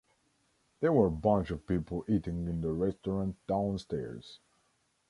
There were a bunch of people eating in the restaurant downstairs